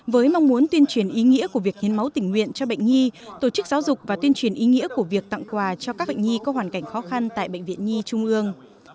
với mong muốn tuyên truyền ý nghĩa của việc hiến máu tỉnh nguyện cho bệnh nhi tổ chức giáo dục và tuyên truyền ý nghĩa của việc tặng quà cho các bệnh nhi có hoàn cảnh khó khăn tại bệnh viện nhi trung ương